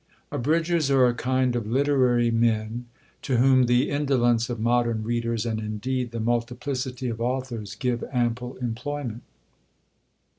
Abridgers are a kind of literary men to whom the indolence of modern readers, and indeed the multiplicity of authors, give ample employment.